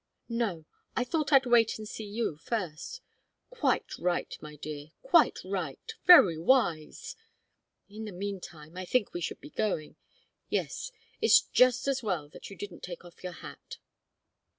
"No I thought I'd wait and see you first." "Quite right, my dear quite right very wise. In the meantime, I think we should be going. Yes it's just as well that you didn't take off your hat."